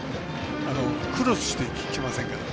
クロスしてきませんから。